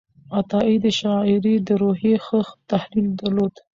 عطایي د شاعرۍ د روحیې ښه تحلیل درلود.